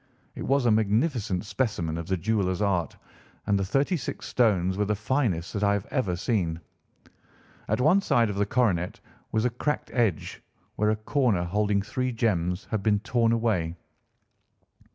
It was a magnificent specimen of the jeweller's art, and the thirty six stones were the finest that I have ever seen. At one side of the coronet was a cracked edge, where a corner holding three gems had been torn away.